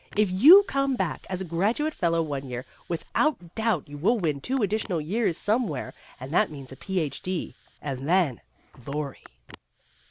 " If you come back as a graduate fellow one year, without doubt you will win two additional years some where, and that means a Ph.D., and then glory!"